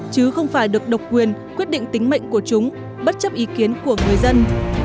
chứ không phải được độc quyền quyết định tính mệnh của chúng bất chấp ý kiến của người dân